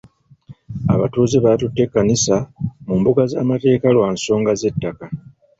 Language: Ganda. Abatuuze batutte ekkanisa mu mbuga z'amateeka lwa nsonga z'ettaka.